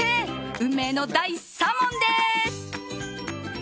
運命の第３問です！